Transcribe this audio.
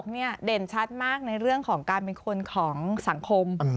นี่เด่นชัดมากในเรื่องของการเป็นคนของสังคม